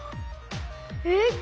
えっ